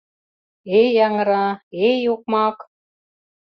Эй, аҥыра, эй, окмак!